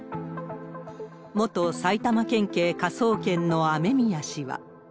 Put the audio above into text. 元埼玉県警科捜研の雨宮氏は。